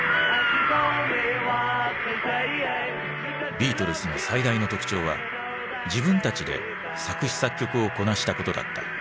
ビートルズの最大の特徴は自分たちで作詞作曲をこなしたことだった。